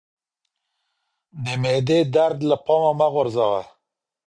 د معدې درد له پامه مه غورځوه